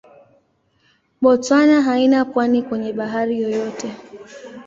Botswana haina pwani kwenye bahari yoyote.